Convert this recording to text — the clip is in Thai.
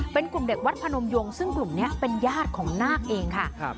เป็นกลุ่มเด็กวัดพนมยงซึ่งกลุ่มนี้เป็นญาติของนาคเองค่ะ